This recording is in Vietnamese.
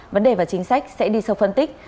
vấn đề và chính sách sẽ đi sâu phân tích